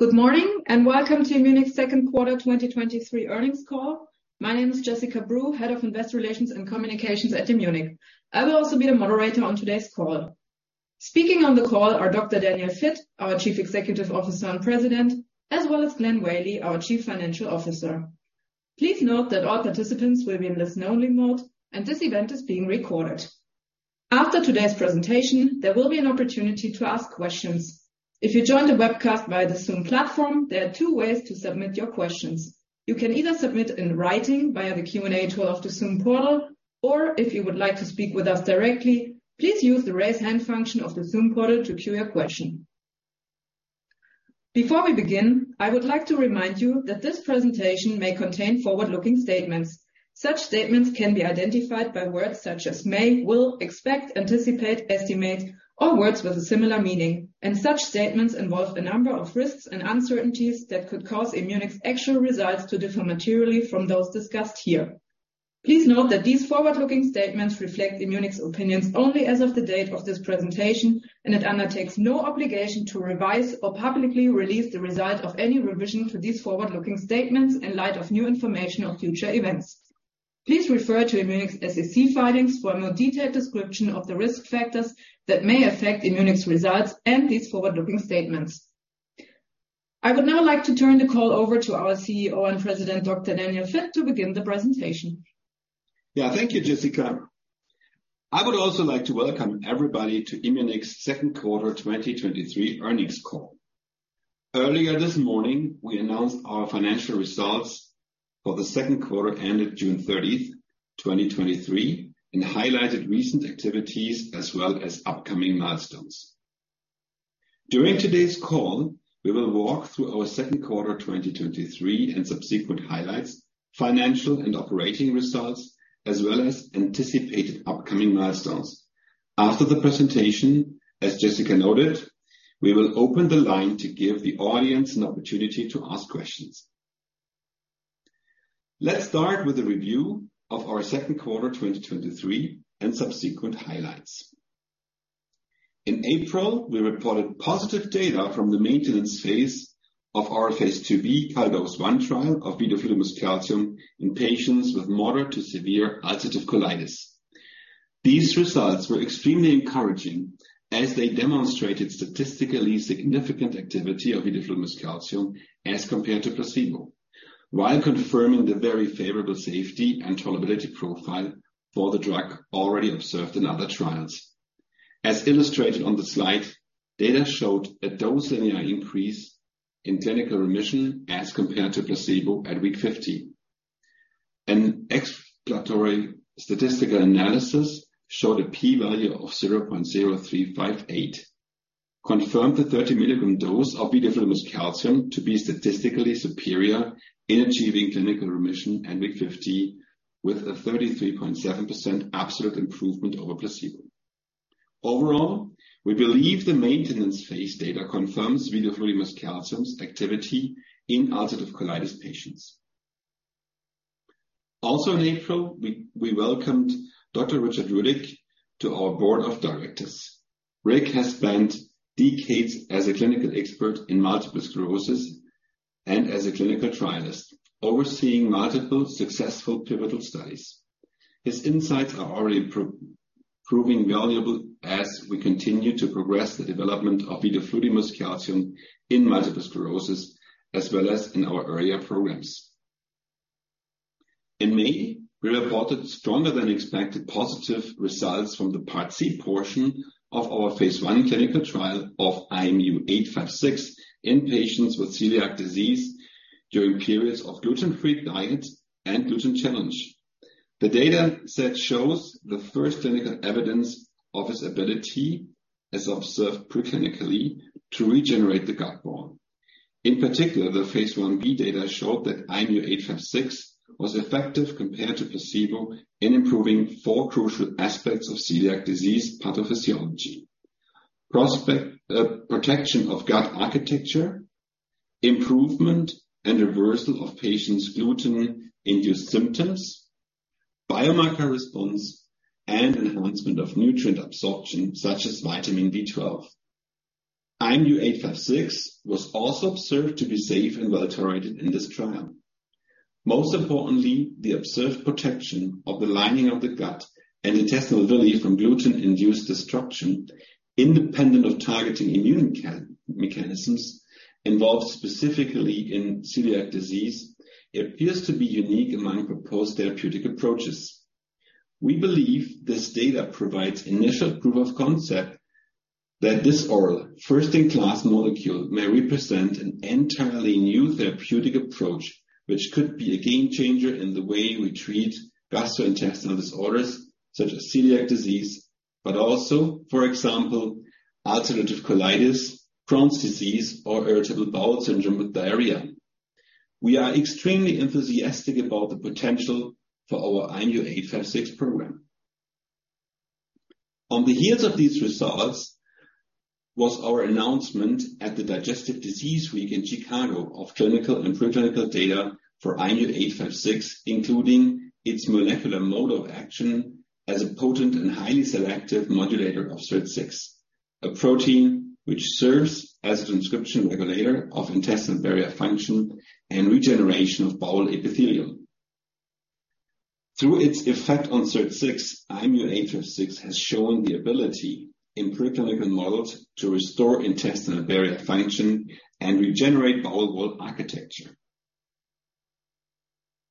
Good morning, welcome to Immunic second quarter 2023 earnings call. My name is Jessica Breu, Head of Investor Relations and Communications at Immunic. I will also be the moderator on today's call. Speaking on the call are Dr. Daniel Vitt, our Chief Executive Officer and President, as well as Glenn Whaley, our Chief Financial Officer. Please note that all participants will be in listen-only mode, and this event is being recorded. After today's presentation, there will be an opportunity to ask questions. If you joined the webcast via the Zoom platform, there are two ways to submit your questions. You can either submit in writing via the Q&A tool of the Zoom portal, or if you would like to speak with us directly, please use the Raise Hand function of the Zoom portal to queue your question. Before we begin, I would like to remind you that this presentation may contain forward-looking statements. Such statements can be identified by words such as may, will, expect, anticipate, estimate, or words with a similar meaning. Such statements involve a number of risks and uncertainties that could cause Immunic actual results to differ materially from those discussed here. Please note that these forward-looking statements reflect Immunic opinions only as of the date of this presentation, and it undertakes no obligation to revise or publicly release the result of any revision to these forward-looking statements in light of new information or future events. Please refer to Immunic's SEC filings for a more detailed description of the risk factors that may affect Immunic results and these forward-looking statements. I would now like to turn the call over to our CEO and President, Dr. Daniel Vitt, to begin the presentation. Yeah, thank you, Jessica. I would also like to welcome everybody to Immunic second quarter 2023 earnings call. Earlier this morning, we announced our financial results for the second quarter ended June 30th, 2023, and highlighted recent activities as well as upcoming milestones. During today's call, we will walk through our second quarter 2023 and subsequent highlights, financial and operating results, as well as anticipated upcoming milestones. After the presentation, as Jessica noted, we will open the line to give the audience an opportunity to ask questions. Let's start with a review of our second quarter 2023 and subsequent highlights. In April, we reported positive data from the maintenance phase of our phase II-b trial CALDOSE-1 trial of vidofludimus calcium in patients with moderate to severe ulcerative colitis. These results were extremely encouraging as they demonstrated statistically significant activity of vidofludimus calcium as compared to placebo, while confirming the very favorable safety and tolerability profile for the drug already observed in other trials. As illustrated on the slide, data showed a dose linear increase in clinical remission as compared to placebo at week 50. An exploratory statistical analysis showed a P value of 0.0358, confirmed the 30 mg dose of vidofludimus calcium to be statistically superior in achieving clinical remission at week 50, with a 33.7% absolute improvement over placebo. Overall, we believe the maintenance phase data confirms vidofludimus calcium's activity in ulcerative colitis patients. In April, we welcomed Dr. Richard Rudick to our board of directors. Rick has spent decades as a clinical expert in multiple sclerosis and as a clinical trialist, overseeing multiple successful pivotal studies. His insights are already proving valuable as we continue to progress the development of vidofludimus calcium in multiple sclerosis, as well as in our earlier programs. In May, we reported stronger than expected positive results from the part C portion of our phase I clinical trial of IMU-856 in patients with celiac disease during periods of gluten-free diet and gluten challenge. The data set shows the first clinical evidence of its ability, as observed pre-clinically, to regenerate the gut wall. In particular, the phase I-B data showed that IMU-856 was effective compared to placebo in improving four crucial aspects of celiac disease pathophysiology: protection of gut architecture, improvement and reversal of patients' gluten-induced symptoms, biomarker response, and enhancement of nutrient absorption, such as vitamin B12. IMU-856 was also observed to be safe and well tolerated in this trial. Most importantly, the observed protection of the lining of the gut and intestinal villi from gluten-induced destruction, independent of targeting immune mechanisms involved specifically in celiac disease, appears to be unique among proposed therapeutic approaches. We believe this data provides initial proof of concept that this oral first-in-class molecule may represent an entirely new therapeutic approach, which could be a game changer in the way we treat gastrointestinal disorders such as celiac disease, but also, for example, ulcerative colitis, Crohn's disease, or irritable bowel syndrome with diarrhea. We are extremely enthusiastic about the potential for our IMU-856 program. On the heels of these results was our announcement at the Digestive Disease Week in Chicago of clinical and pre-clinical data for IMU-856, including its molecular mode of action. as a potent and highly selective modulator of SIRT6, a protein which serves as a transcription regulator of intestinal barrier function and regeneration of bowel epithelium. Through its effect on SIRT6, IMU-856 has shown the ability in preclinical models to restore intestinal barrier function and regenerate bowel wall architecture.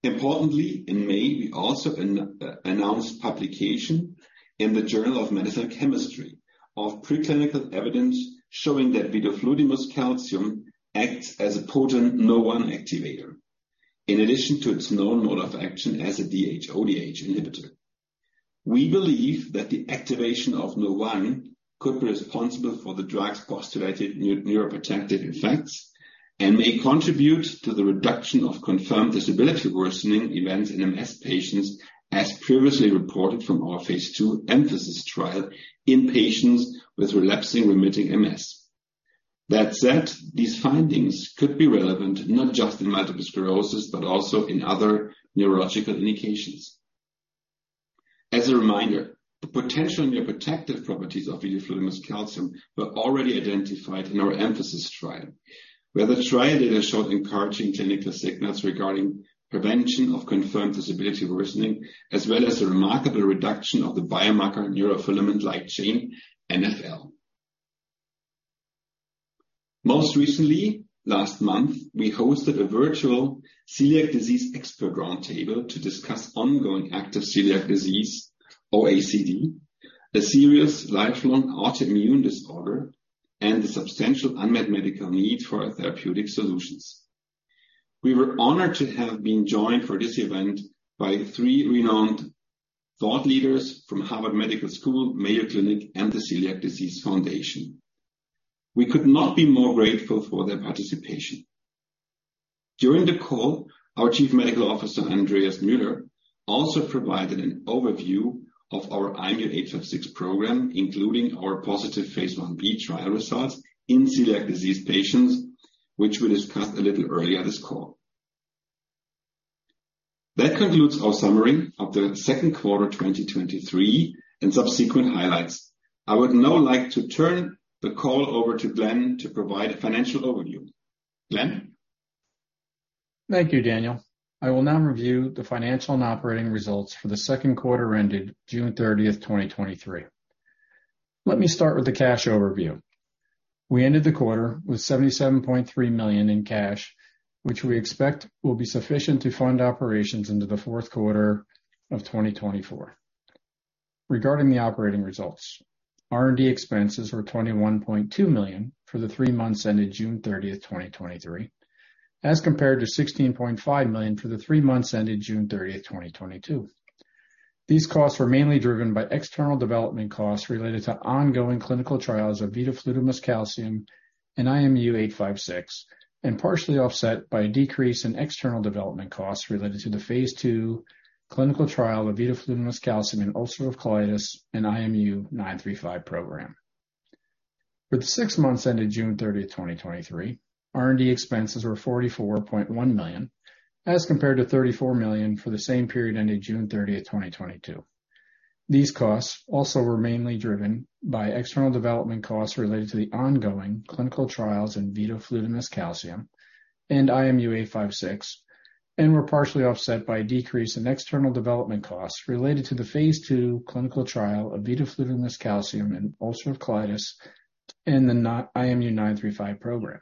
Importantly, in May, we also announced publication in the Journal of Medicinal Chemistry of preclinical evidence showing that vidofludimus calcium acts as a potent NOX1 activator, in addition to its known mode of action as a DHODH inhibitor. We believe that the activation of NOX1 could be responsible for the drug's postulated neuroprotective effects, and may contribute to the reduction of confirmed disability worsening events in MS patients, as previously reported from our phase II EMPhASIS trial in patients with relapsing remitting MS. That said, these findings could be relevant not just in multiple sclerosis, but also in other neurological indications. As a reminder, the potential neuroprotective properties of vidofludimus calcium were already identified in our EMPhASIS trial, where the trial data showed encouraging clinical signals regarding prevention of confirmed disability worsening, as well as a remarkable reduction of the biomarker neurofilament light chain, NfL. Most recently, last month, we hosted a virtual Celiac Disease Expert Roundtable to discuss ongoing active celiac disease, or ACD, a serious lifelong autoimmune disorder, and the substantial unmet medical need for therapeutic solutions. We were honored to have been joined for this event by three renowned thought leaders from Harvard Medical School, Mayo Clinic, and the Celiac Disease Foundation. We could not be more grateful for their participation. During the call, our Chief Medical Officer, Andreas Muehler, also provided an overview of our IMU-856 program, including our positive phase I-b trial results in celiac disease patients, which we discussed a little earlier this call. That concludes our summary of the second quarter, 2023, and subsequent highlights. I would now like to turn the call over to Glenn to provide a financial overview. Glenn? Thank you, Daniel. I will now review the financial and operating results for the second quarter ended June 30th, 2023. Let me start with the cash overview. We ended the quarter with $77.3 million in cash, which we expect will be sufficient to fund operations into the fourth quarter of 2024. Regarding the operating results, R&D expenses were $21.2 million for the three months ended June 30th, 2023, as compared to $16.5 million for the three months ended June 30th, 2022. These costs were mainly driven by external development costs related to ongoing clinical trials of vidofludimus calcium and IMU-856, partially offset by a decrease in external development costs related to the phase II clinical trial of vidofludimus calcium in ulcerative colitis and IMU-935 program. For the six months ended June 30th, 2023, R&D expenses were $44.1 million, as compared to $34 million for the same period ended June 30th, 2022. These costs also were mainly driven by external development costs related to the ongoing clinical trials in vidofludimus calcium and IMU-856, and were partially offset by a decrease in external development costs related to the phase II clinical trial of vidofludimus calcium in ulcerative colitis and the not IMU-935 program.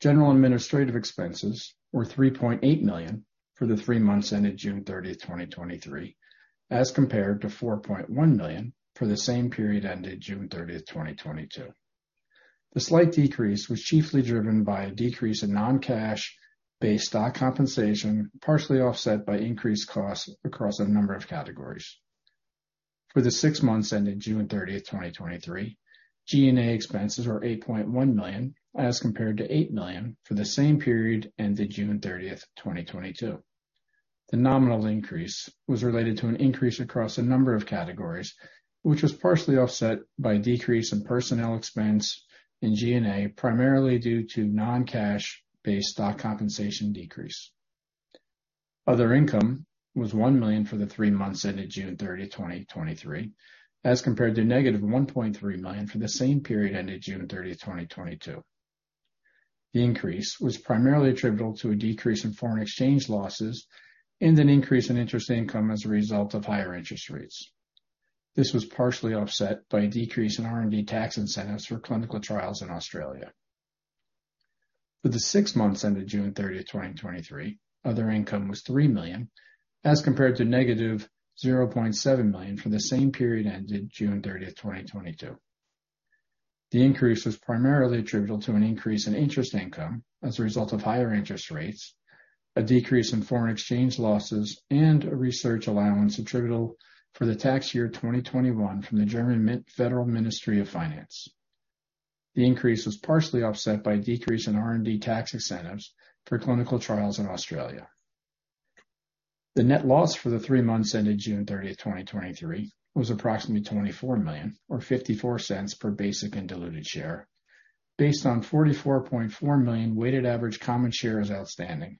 General administrative expenses were $3.8 million for the three months ended June 30th, 2023, as compared to $4.1 million for the same period ended June 30th, 2022. The slight decrease was chiefly driven by a decrease in non-cash-based stock compensation, partially offset by increased costs across a number of categories. For the six months ended June 30, 2023, G&A expenses were $8.1 million, as compared to $8 million for the same period ended June 30, 2022. The nominal increase was related to an increase across a number of categories, which was partially offset by decrease in personnel expense in G&A, primarily due to non-cash-based stock compensation decrease. Other income was $1 million for the three months ended June 30, 2023, as compared to -$1.3 million for the same period ended June 30, 2022. The increase was primarily attributable to a decrease in foreign exchange losses and an increase in interest income as a result of higher interest rates. This was partially offset by a decrease in R&D tax incentives for clinical trials in Australia. For the six months ended June 30th, 2023, other income was $3 million, as compared to -$0.7 million for the same period ended June thirtieth, 2022. The increase was primarily attributable to an increase in interest income as a result of higher interest rates, a decrease in foreign exchange losses, and a research allowance attributable for the tax year 2021 from the German Federal Ministry of Finance. The increase was partially offset by a decrease in R&D tax incentives for clinical trials in Australia. The net loss for the three months ended June thirtieth, 2023, was approximately $24 million or $0.54 per basic and diluted share, based on 44.4 million weighted average common shares outstanding.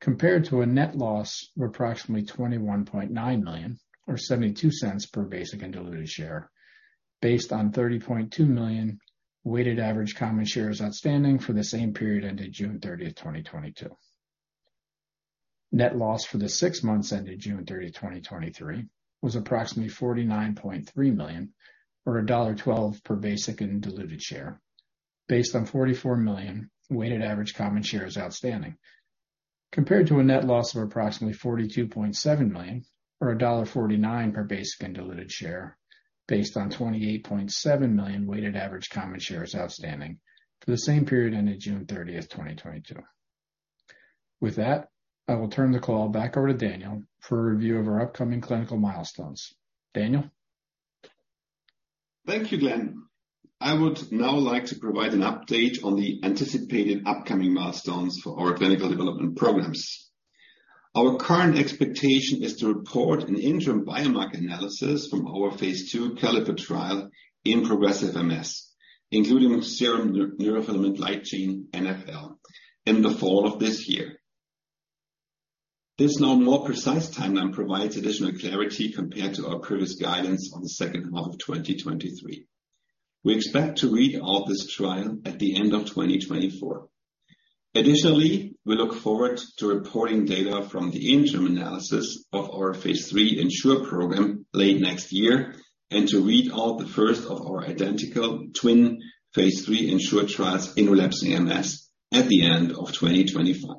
compared to a net loss of approximately $21.9 million, or $0.72 per basic and diluted share, based on 30.2 million weighted average common shares outstanding for the same period ended June 30, 2022. Net loss for the six months ended June 30, 2023, was approximately $49.3 million, or $1.12 per basic and diluted share, based on 44 million weighted average common shares outstanding. Compared to a net loss of approximately $42.7 million or $1.49 per basic and diluted share, based on 28.7 million weighted average common shares outstanding for the same period ended June 30, 2022. With that, I will turn the call back over to Daniel for a review of our upcoming clinical milestones. Daniel? Thank you, Glenn. I would now like to provide an update on the anticipated upcoming milestones for our clinical development programs. Our current expectation is to report an interim biomarker analysis from our phase II CALLIPER trial in progressive MS, including serum neurofilament light chain, NfL, in the fall of this year. This now more precise timeline provides additional clarity compared to our previous guidance on the second half of 2023. We expect to read all this trial at the end of 2024. Additionally, we look forward to reporting data from the interim analysis of our phase III ENSURE program late next year, and to read all the first of our identical twin phase III ENSURE trials in relapsing MS at the end of 2025.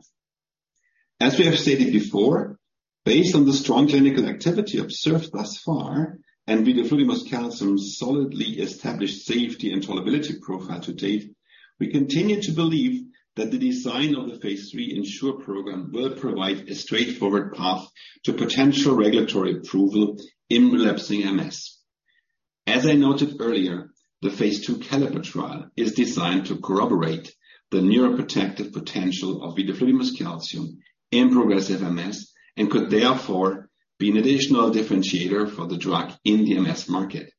As we have stated before, based on the strong clinical activity observed thus far, and vidofludimus calcium's solidly established safety and tolerability profile to date, we continue to believe that the design of the phase III ENSURE program will provide a straightforward path to potential regulatory approval in relapsing MS. As I noted earlier, the phase II CALLIPER trial is designed to corroborate the neuroprotective potential of vidofludimus calcium in progressive MS, and could therefore be an additional differentiator for the drug in the MS market.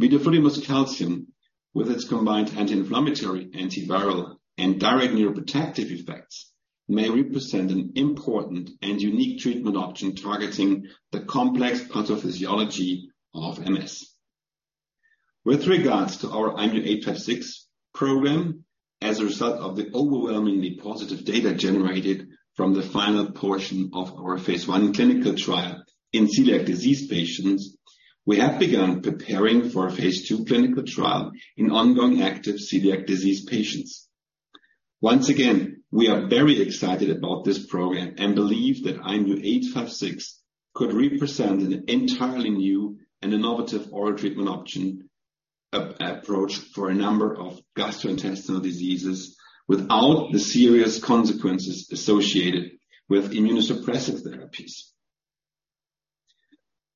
Vidofludimus calcium, with its combined anti-inflammatory, antiviral, and direct neuroprotective effects, may represent an important and unique treatment option targeting the complex pathophysiology of MS. With regards to our IMU-856 program, as a result of the overwhelmingly positive data generated from the final portion of our phase I clinical trial in celiac disease patients, we have begun preparing for a phase II clinical trial in ongoing active celiac disease patients. Once again, we are very excited about this program and believe that IMU-856 could represent an entirely new and innovative oral treatment option, approach for a number of gastrointestinal diseases, without the serious consequences associated with immunosuppressive therapies.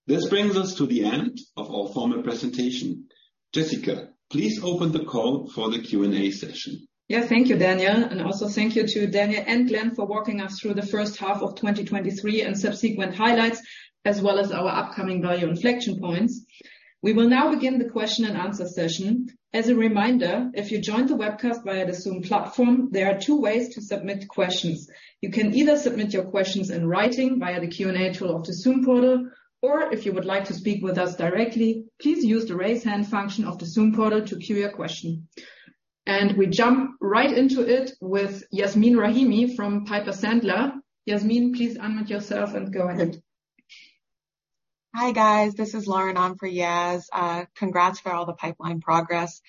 This brings us to the end of our formal presentation. Jessica, please open the call for the Q&A session. Yeah. Thank you, Daniel, and also thank you to Daniel and Glenn for walking us through the first half of 2023 and subsequent highlights, as well as our upcoming value inflection points. We will now begin the question and answer session. As a reminder, if you joined the webcast via the Zoom platform, there are two ways to submit questions. You can either submit your questions in writing via the Q&A tool of the Zoom portal, or if you would like to speak with us directly, please use the raise hand function of the Zoom portal to queue your question. We jump right into it with Yasmeen Rahimi from Piper Sandler. Yas, please unmute yourself and go ahead. Hi, guys. This is Lauren on for Yas. Congrats for all the pipeline progress.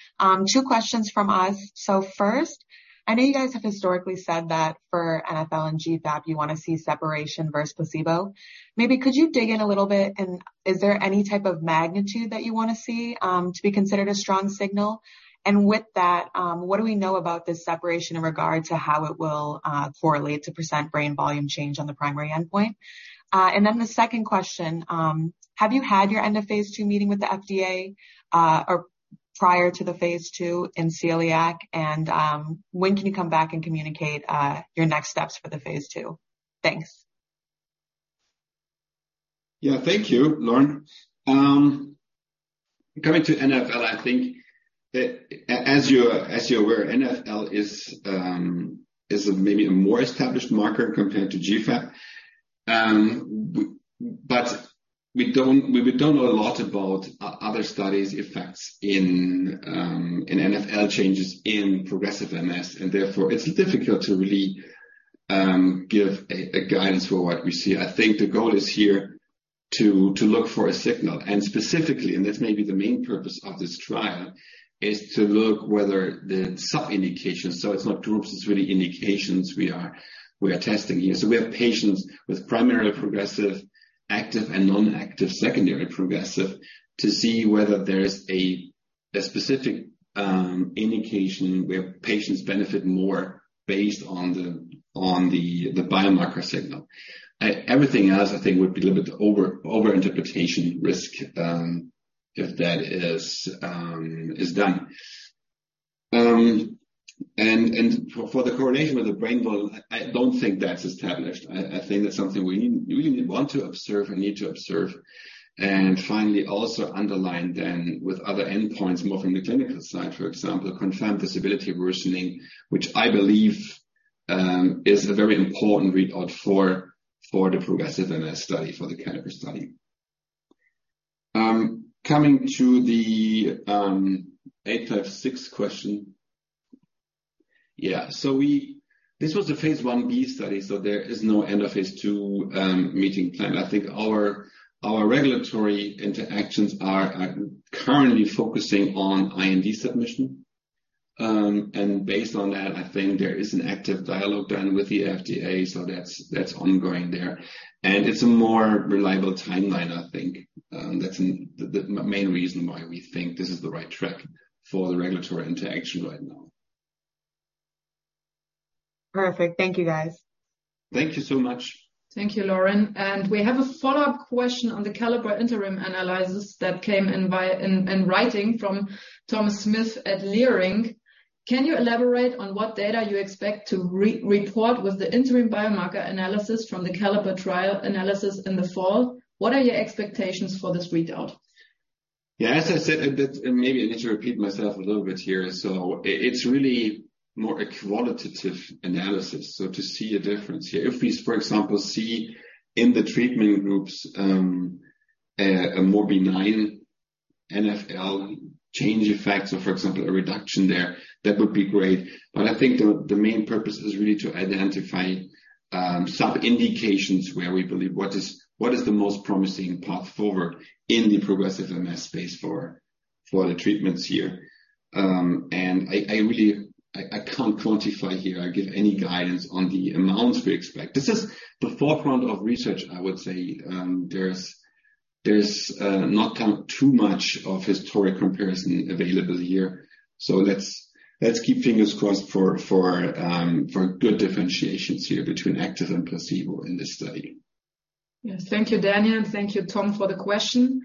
Two questions from us. First, I know you guys have historically said that for NfL and GFAP, you want to see separation versus placebo. Maybe could you dig in a little bit, and is there any type of magnitude that you want to see to be considered a strong signal? With that, what do we know about this separation in regard to how it will correlate to percent brain volume change on the primary endpoint? The second question, have you had your end of phase II meeting with the FDA, or prior to the phase II in celiac? When can you come back and communicate your next steps for the phase II? Thanks. Yeah. Thank you, Lauren. Coming to NfL, I think that as you're aware, NfL is a maybe a more established marker compared to GFAP. But we don't know a lot about other studies effects in NfL changes in progressive MS, therefore, it's difficult to really give a guidance for what we see. I think the goal is here to look for a signal, specifically, and this may be the main purpose of this trial, is to look whether the sub-indications. It's not two groups, it's really indications we are testing here. We have patients with primarily progressive, active and non-active, secondary progressive, to see whether there is a specific indication where patients benefit more based on the biomarker signal. Everything else, I think, would be a little bit over interpretation risk, if that is done. For the correlation with the brain volume, I don't think that's established. I think that's something we really want to observe and need to observe. Finally, also underline then with other endpoints, more from the clinical side, for example, confirmed disability worsening, which I believe is a very important read out for the progressive MS study, for the CALLIPER study. Coming to the IMU-856 question. This was a phase I-b study, so there is no end of phase II meeting plan. I think our regulatory interactions are currently focusing on IND submission. Based on that, I think there is an active dialogue done with the FDA, so that's, that's ongoing there. It's a more reliable timeline, I think. That's the, the main reason why we think this is the right track for the regulatory interaction right now. Perfect. Thank you, guys. Thank you so much. Thank you, Lauren. We have a follow-up question on the CALLIPER interim analysis that came in by, in, in writing from Tom Smith at Leerink. Can you elaborate on what data you expect to re- report with the interim biomarker analysis from the CALLIPER trial analysis in the fall? What are your expectations for this readout? Yeah, as I said, and that maybe I need to repeat myself a little bit here. It's really more a qualitative analysis, to see a difference here. If we, for example, see in the treatment groups, a more benign NfL change effect, so for example, a reduction there, that would be great. I think the, the main purpose is really to identify, sub-indications where we believe what is, what is the most promising path forward in the progressive MS space for, for the treatments here. And I, I really... I, I can't quantify here or give any guidance on the amounts we expect. This is the forefront of research, I would say. There's not too much of historic comparison available here, so let's, let's keep fingers crossed for, for good differentiations here between active and placebo in this study. Yes. Thank you, Daniel, and thank you, Tom, for the question.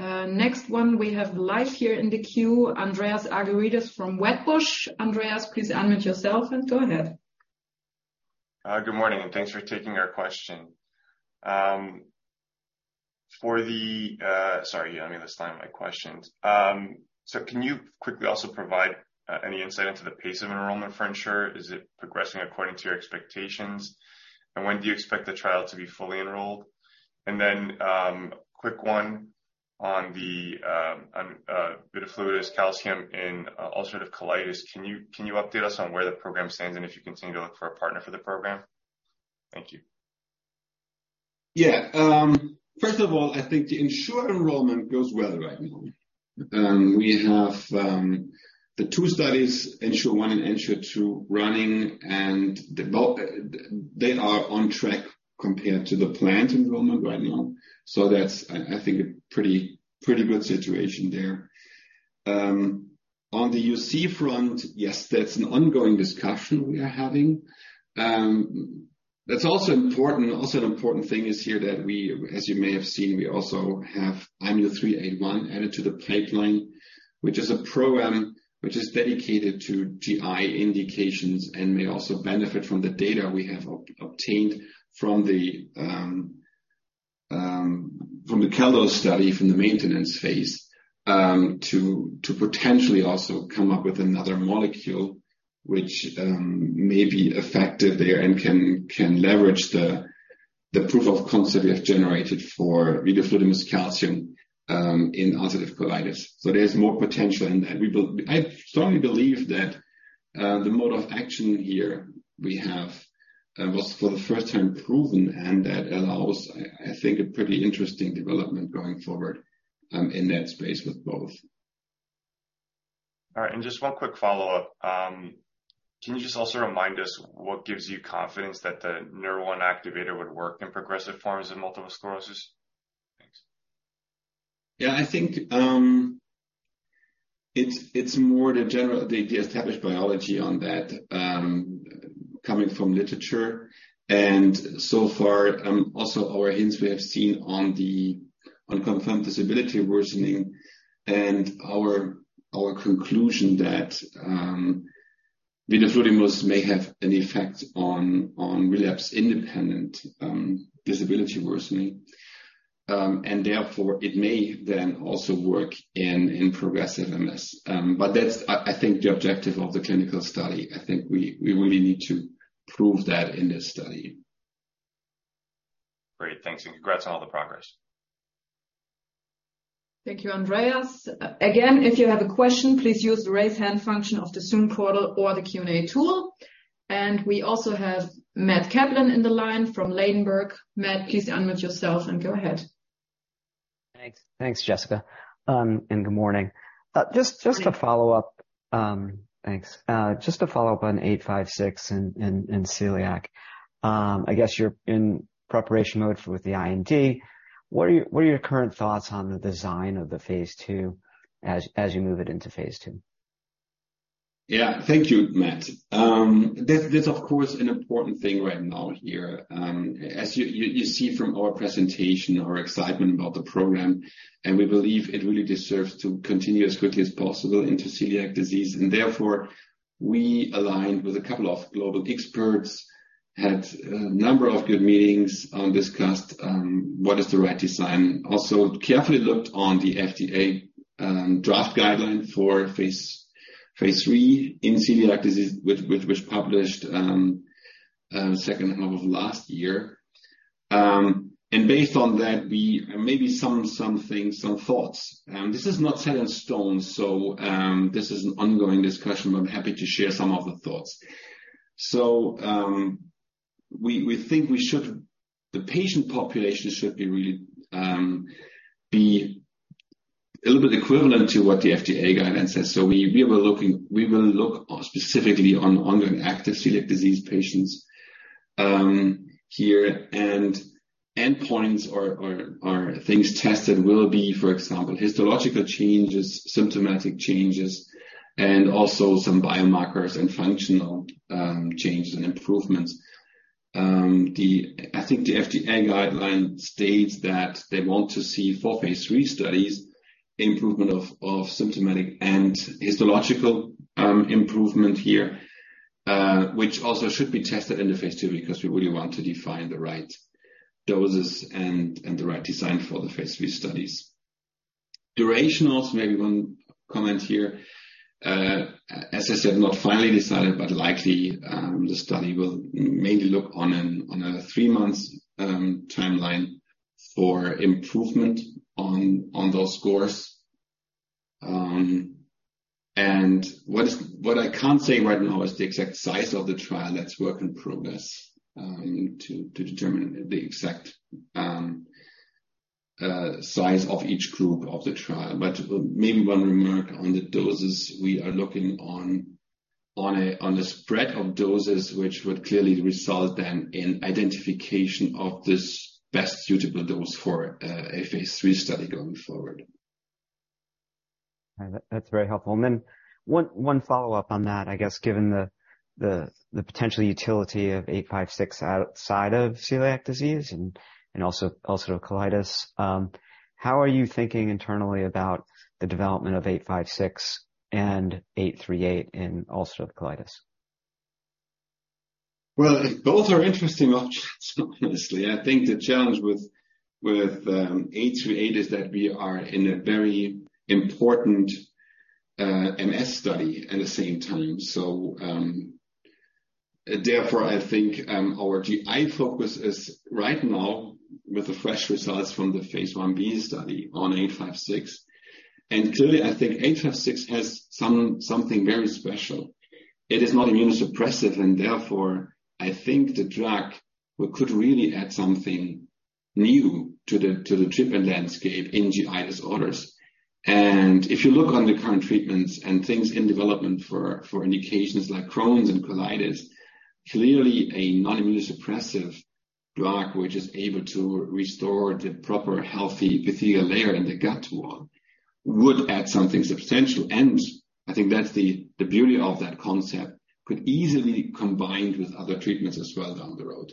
Next one, we have live here in the queue, Andreas Argyrides from Wedbush. Andreas, please unmute yourself and go ahead. Good morning, thanks for taking our question. Can you quickly also provide any insight into the pace of enrollment for ENSURE? Is it progressing according to your expectations, when do you expect the trial to be fully enrolled? Quick one on the on vidofludimus calcium in ulcerative colitis. Can you, can you update us on where the program stands and if you continue to look for a partner for the program? Thank you. Yeah. First of all, I think the ENSURE enrollment goes well right now. We have the two studies, ENSURE-1 and ENSURE-2, running, and well, they are on track compared to the planned enrollment right now. That's, I, I think, a pretty, pretty good situation there. On the UC front, yes, that's an ongoing discussion we are having. That's also important-- also an important thing is here that we, as you may have seen, we also have IMU-381 added to the pipeline, which is a program which is dedicated to GI indications and may also benefit from the data we have obtained from the, from the CALDOSE-1 study, from the maintenance phase, to, to potentially also come up with another molecule which may be effective there and can, can leverage the, the proof of concept we have generated for vidofludimus calcium in ulcerative colitis. There's more potential in that. I strongly believe that the mode of action here we have was for the first time proven, and that allows, I, I think, a pretty interesting development going forward in that space with both. All right, just one quick follow-up. Can you just also remind us what gives you confidence that the Nurr1 activator would work in progressive forms of multiple sclerosis? Thanks. Yeah, I think, it's, it's more the general, the, the established biology on that, coming from literature. So far, also our hints we have seen on the unconfirmed disability worsening and our, our conclusion that, vidofludimus may have an effect on, on relapse-independent, disability worsening, and therefore it may then also work in, in progressive MS. That's I, I think, the objective of the clinical study. I think we, we really need to prove that in this study. Great, thanks, and congrats on all the progress. Thank you, Andreas. Again, if you have a question, please use the Raise Hand function of the Zoom portal or the Q&A tool. We also have Matt Kaplan in the line from Ladenburg. Matt, please unmute yourself and go ahead. Thanks. Thanks, Jessica, and good morning. Thanks. Just to follow up on IMU-856 and celiac. I guess you're in preparation mode for with the IND. What are your current thoughts on the design of the phase II as you move it into phase II? Yeah, thank you, Matt. That's, that's of course, an important thing right now here. As you, you, you see from our presentation, our excitement about the program, and we believe it really deserves to continue as quickly as possible into celiac disease. Therefore, we aligned with a couple of global experts, had a number of good meetings and discussed what is the right design. Also, carefully looked on the FDA-... draft guideline for phase III in celiac disease, which, which, was published second half of last year. Based on that, we maybe some, some things, some thoughts. This is not set in stone, so this is an ongoing discussion, but I'm happy to share some of the thoughts. We, we think the patient population should be really be a little bit equivalent to what the FDA guidance says. We, we will look specifically on active celiac disease patients here. Endpoints or things tested will be, for example, histological changes, symptomatic changes, and also some biomarkers and functional changes and improvements. I think the FDA guideline states that they want to see four phase III studies, improvement of symptomatic and histological improvement here, which also should be tested in the phase II, because we really want to define the right doses and the right design for the phase III studies. Durational, maybe one comment here. As I said, not finally decided, but likely, the study will mainly look on an, on a three months timeline for improvement on, on those scores. What is-- what I can't say right now is the exact size of the trial. That's work in progress, to, to determine the exact size of each group of the trial. Maybe one remark on the doses we are looking on, on a, on a spread of doses, which would clearly result then in identification of this best suitable dose for a phase 3 study going forward. All right. That's very helpful. Then one, one follow-up on that, I guess, given the, the, the potential utility of 856 outside of celiac disease and, and also ulcerative colitis, how are you thinking internally about the development of 856 and 838 in ulcerative colitis? Well, both are interesting options, honestly. I think the challenge with, with 838 is that we are in a very important MS study at the same time. Therefore, I think our GI focus is right now with the fresh results from the phase 1b study on 856. Clearly, I think 856 has something very special. It is not immunosuppressive, and therefore, I think the drug could really add something new to the treatment landscape in GI disorders. If you look on the current treatments and things in development for indications like Crohn's and colitis, clearly a non-immunosuppressive drug, which is able to restore the proper, healthy epithelial layer in the gut wall, would add something substantial. I think that's the, the beauty of that concept, could easily combine with other treatments as well down the road.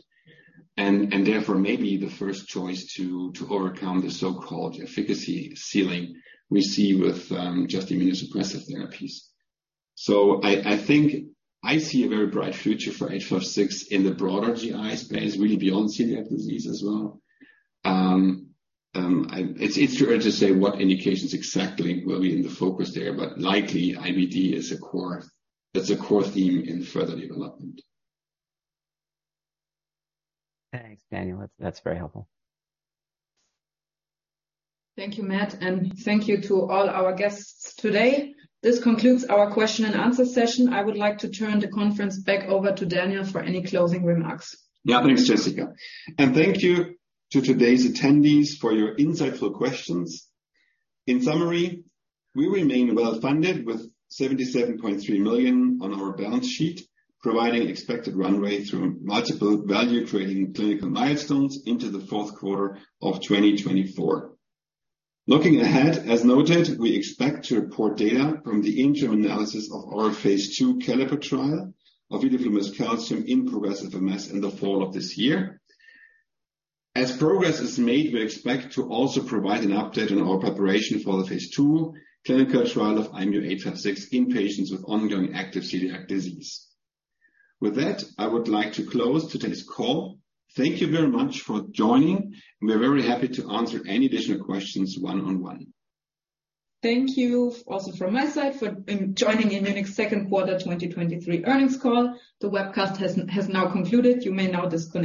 Therefore, maybe the first choice to, to overcome the so-called efficacy ceiling we see with just immunosuppressive therapies. I, I think I see a very bright future for IMU-856 in the broader GI space, really beyond celiac disease as well. It's, it's too early to say what indications exactly will be in the focus there, but likely, IBD is a core, that's a core theme in further development. Thanks, Daniel. That's very helpful. Thank you, Matt, and thank you to all our guests today. This concludes our question and answer session. I would like to turn the conference back over to Daniel for any closing remarks. Thanks, Jessica, and thank you to today's attendees for your insightful questions. In summary, we remain well-funded with $77.3 million on our balance sheet, providing expected runway through multiple value-creating clinical milestones into the fourth quarter of 2024. Looking ahead, as noted, we expect to report data from the interim analysis of our phase II CALLIPER trial of vidofludimus calcium in progressive MS in the fall of this year. As progress is made, we expect to also provide an update on our preparation for the phase II clinical trial of IMU-856 in patients with ongoing active celiac disease. With that, I would like to close today's call. Thank you very much for joining, and we're very happy to answer any additional questions one on one. Thank you also from my side for joining Immunic second quarter 2023 earnings call. The webcast has now concluded. You may now disconnect.